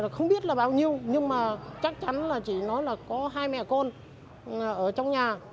không biết là bao nhiêu nhưng mà chắc chắn là chỉ nói là có hai mẹ con ở trong nhà